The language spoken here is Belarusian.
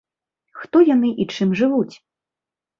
Хто яны і чым жывуць?